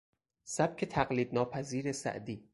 سبک تقلید ناپذیر سعدی